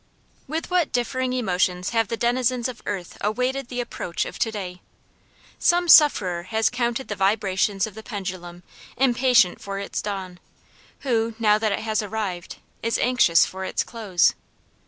WITH what differing emotions have the denizens of earth awaited the approach of to day. Some sufferer has counted the vibrations of the pendulum impatient for its dawn, who, now that it has arrived, is anxious for its close.